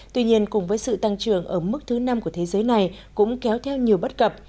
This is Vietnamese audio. tuy nhiên cùng với sự tăng trưởng ở mức thứ năm của thế giới này cũng kéo theo nhiều bất cập